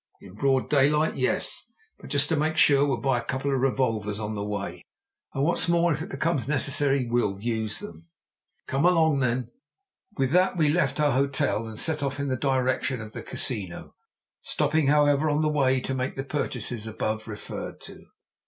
"In broad daylight, yes! But, just to make sure, we'll buy a couple of revolvers on the way. And, what's more, if it becomes necessary, we'll use them." "Come along, then." With that we left our hotel and set off in the direction of the Casino, stopping, however, on the way to make the purchases above referred to.